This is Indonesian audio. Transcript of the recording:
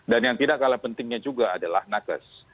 dan yang tidak kalah pentingnya juga adalah nakes